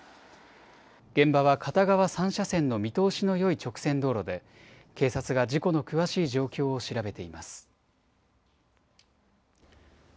現場は片側３車線の見通しのよい直線道路で、警察が事故の詳しい状況を調べています。